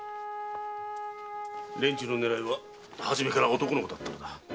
連中の狙いは始めから男の子だったんだ。